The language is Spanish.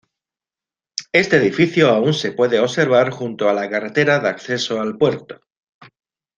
Este edificio aun se puede observar junto a la carretera de acceso al puerto.